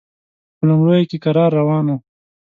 په لومړیو کې کرار روان و.